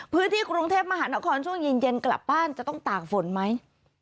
พื้นที่กรุงเทพมหานครช่วงเย็นกลับบ้านจะต้องตากฝนไหม